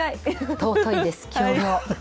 尊いです、きょうも。